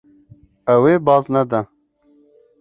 Ew ê baz nede.